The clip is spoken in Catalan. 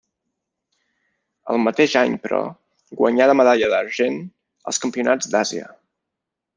El mateix any, però, guanyà la medalla d'argent als Campionats d'Àsia.